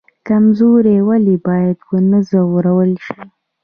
کمزوری ولې باید ونه ځورول شي؟